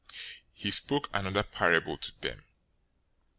013:033 He spoke another parable to them.